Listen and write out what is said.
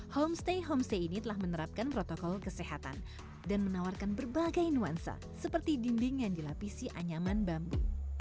homestay homestay ini telah menerapkan protokol kesehatan dan menawarkan berbagai nuansa seperti dinding yang dilapisi anyaman bambu